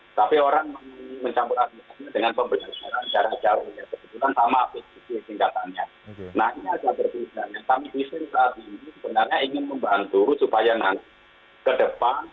maka kami ingin tahu bagaimana penjelajahannya bagaimana pendidikannya